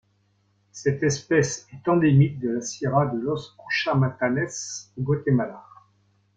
Cette espèce est endémique de la Sierra de los Cuchumatanes au Guatemala.